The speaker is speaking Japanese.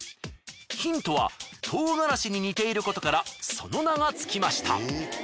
ヒントは唐辛子に似ていることからその名がつきました。